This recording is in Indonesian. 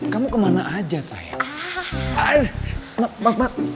kamu kemana aja sayang